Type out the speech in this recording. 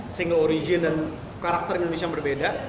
single origin dan karakter indonesia yang berbeda